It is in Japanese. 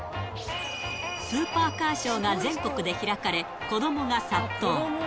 スーパーカーショーが全国で開かれ、子どもが殺到。